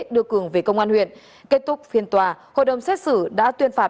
đưa cường về công an huyện